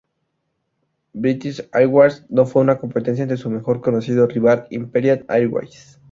British Airways Ltd no fue una competencia ante su mejor conocido rival Imperial Airways.